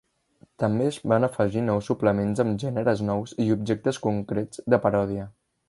També es van afegir nous suplements amb gèneres nous i objectes concrets de paròdia.